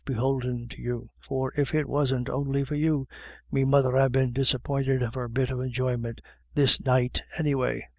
beholden to you ; for if it wasn't on'y for you, me mother'd ha* been disappointed of her bit of enjoy ment this night any way."